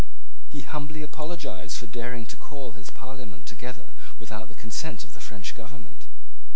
He humbly apologised for daring to call his Parliament together without the consent of the French government.